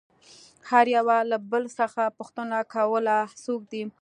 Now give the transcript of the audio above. هر يوه له بل څخه پوښتنه کوله څوک دى.